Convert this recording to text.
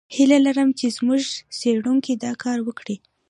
هیله لرم چې زموږ څېړونکي دا کار وکړي.